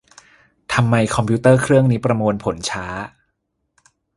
ทำไมคอมพิวเตอร์เครื่องนี้ประมวลผลช้า